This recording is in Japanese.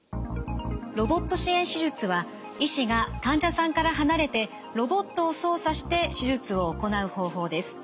ロボット支援手術は医師が患者さんから離れてロボットを操作して手術を行う方法です。